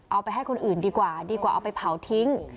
เอาไปให้คนอื่นดีกว่าดีกว่าเอาไปเผาทิ้ง